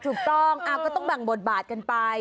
ถูกต้องก็ต้องแบ่งบทบาทกันไป